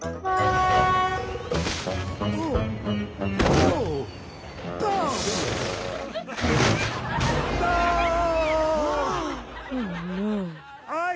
ああ！